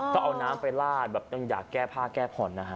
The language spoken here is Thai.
ต้องเอาน้ำไปลาดแบบต้องอยากแก้ผ้าแก้ผ่อนนะฮะ